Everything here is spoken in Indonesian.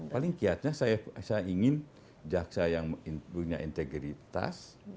paling kiatnya saya ingin jaksa yang punya integritas